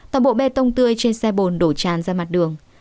toàn bộ bê tông tươi trên xe bồn đổ tràn ra mặt đường